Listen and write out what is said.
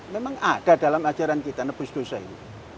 memang ada dalam ajaran kita nebus dosa ini